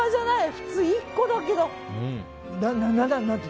普通１個だけど。